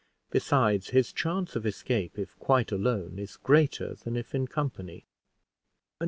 Besides, his chance of escape, if quite alone, is greater than if in company."